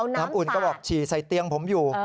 น้ำอุ่นก็บอกฉี่ใส่เตียงผมอยู่